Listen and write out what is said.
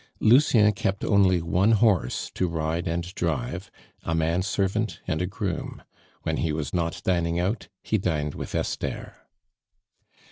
Lucien kept only one horse to ride and drive, a man servant, and a groom. When he was not dining out, he dined with Esther.